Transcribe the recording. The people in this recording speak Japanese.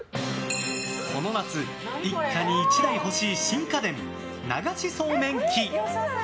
この夏、一家に１台欲しい新家電、流しそうめん器。